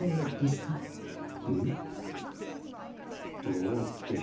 どうって。